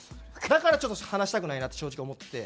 だからちょっと話したくないなって正直思って。